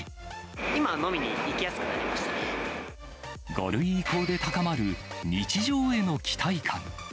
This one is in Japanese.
今は飲みに行きやすくなりま５類移行で高まる日常への期待感。